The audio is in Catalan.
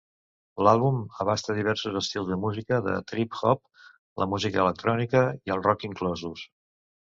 L'àlbum abasta diversos estils de música, el trip-hop, la música electrònica i el rock inclosos.